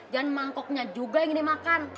mangkoknya juga yang dimakan